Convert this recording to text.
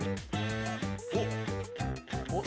おっ。